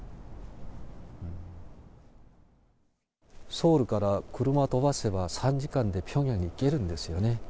ソウルから車を飛ばせば、３時間で平壌に行けるんですよね。